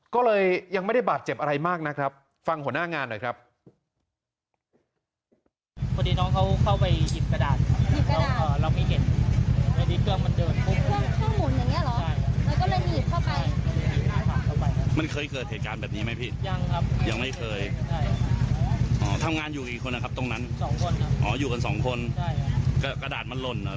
ก็เลยยังไม่ได้บาดเจ็บอะไรมากนะครับฟังหัวหน้างานหน่อยครับ